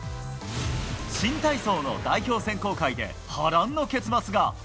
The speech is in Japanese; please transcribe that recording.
新体操の代表選考会で波乱の結末が。